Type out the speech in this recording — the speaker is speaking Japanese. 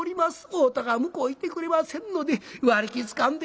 追ぉたが向こう行ってくれませんので割木つかんで。